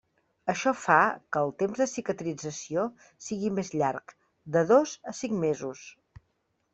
Això fa que el temps de cicatrització sigui més llarg, de dos a cinc mesos.